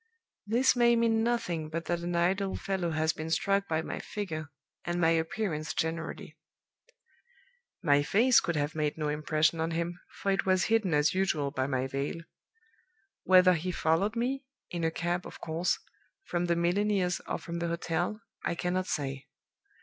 "This may mean nothing but that an idle fellow has been struck by my figure, and my appearance generally. My face could have made no impression on him, for it was hidden as usual by my veil. Whether he followed me (in a cab, of course) from the milliner's, or from the hotel, I cannot say.